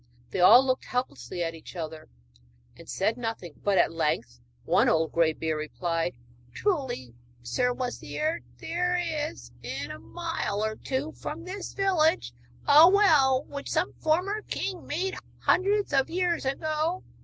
They all looked helplessly at each other, and said nothing; but at length one old grey beard replied: 'Truly, Sir Wazir, there is, within a mile or two of this village, a well which some former king made hundreds of years ago.